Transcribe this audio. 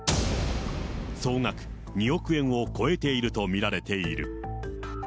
総額２億円を超えていると見られている。